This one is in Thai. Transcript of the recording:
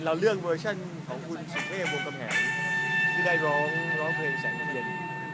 เราเลือกเวอร์ชั่นของคุณสุเทพวงกำแหงที่ได้ร้องเพลงสองโรงเรียน